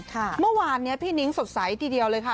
เมื่อวานนี้พี่นิ้งสดใสทีเดียวเลยค่ะ